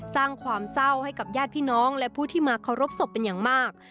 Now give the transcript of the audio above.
สร้างความเศร้าให้กับญาติพี่น้องและผู้ที่มาเคารพศพเป็นอย่างมาก